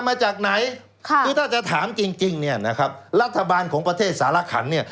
มาจากไหนคือถ้าจะถามจริงเนี่ยนะครับรัฐบาลของประเทศสารขันเนี่ย